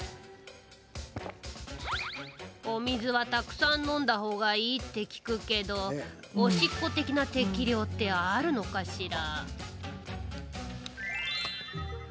お水はたくさん飲んだほうがいいって聞くけどおしっこ的な適量ってあるのかしら。